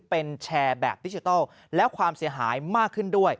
เป็นแชร์แบบดิจิทัลและความเสียหายมากขึ้นด้วย